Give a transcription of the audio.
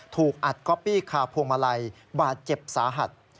ถูกอัดก๊อปปี้คาพวงมาลัยบาดเจ็บสาหัส